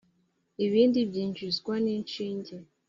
ibindi byinjizwa n’inshinge